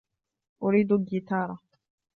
أريد قيثارة.